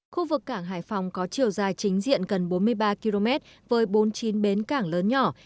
khu vực cảng hải phòng có chiều dài chính diện gần bốn mươi ba km với bốn mươi chín bến cảng lớn nhỏ